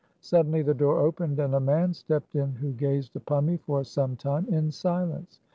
Suddenly the door opened, and a man stepped in who gazed upon me for some time, in silence.